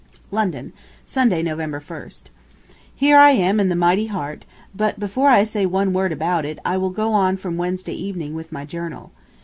LONDON, Sunday, November 1. Here I am in the mighty heart, but before I say one word about it I will go on from Wednesday evening with my journal.